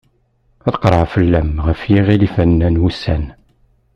Ad qerɛeɣ fell-am, ɣef yiɣilifen n wussan.